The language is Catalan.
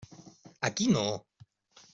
Aquí no.